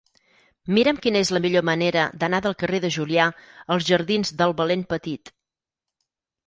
Mira'm quina és la millor manera d'anar del carrer de Julià als jardins del Valent Petit.